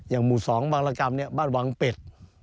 อย่างหมู่๒วังละกรัมเนี่ยบ้านวังเป็ด